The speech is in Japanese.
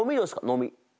飲み。